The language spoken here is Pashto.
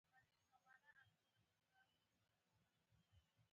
موږ او تاسي باید لیکل شوی متن سم ولولو